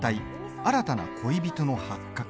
新たな恋人の発覚。